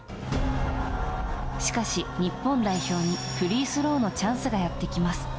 しかし日本代表にフリースローのチャンスがやってきます。